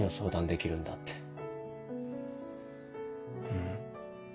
うん。